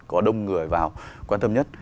có đông người vào quan tâm nhất